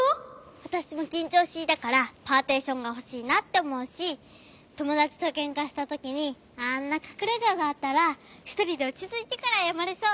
わたしもきんちょうしいだからパーティションがほしいなっておもうしともだちとけんかしたときにあんなかくれががあったらひとりでおちついてからあやまれそう。